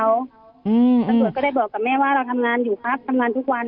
ตำรวจก็ได้บอกกับแม่ว่าเราทำงานอยู่ครับทำงานทุกวัน